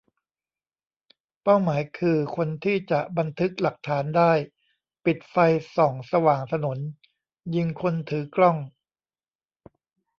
เป้าหมายคือ คนที่จะบันทึกหลักฐานได้ ? ปิดไฟส่องสว่างถนน ยิงคนถือกล้อง ?